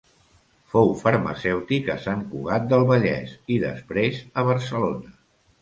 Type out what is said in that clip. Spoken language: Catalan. Fou farmacèutic a Sant Cugat del Vallès i després a Barcelona.